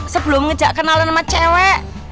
sebelum kenalan sama cewek